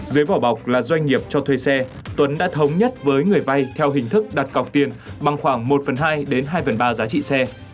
dưới vỏ bọc là doanh nghiệp cho thuê xe tuấn đã thống nhất với người vay theo hình thức đặt cọc tiền bằng khoảng một phần hai đến hai phần ba giá trị xe